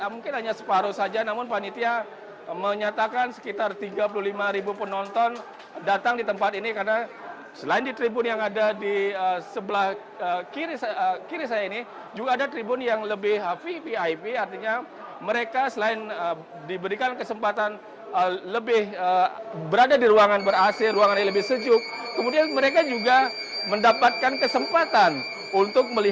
musim dua ribu dua puluh tiga yang diadakan di